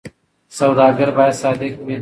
سوداګر باید صادق وي.